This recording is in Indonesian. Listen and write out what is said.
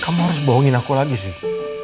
kamu harus bohongin aku lagi sih